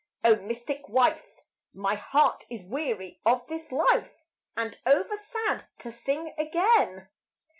O mystic wife! My heart is weary of this life And over sad to sing again.